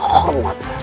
paman kurang ada geni